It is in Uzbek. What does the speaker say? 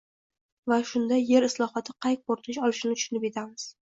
Va shunda yer islohoti qay ko‘rinish olishini tushunib yetamiz...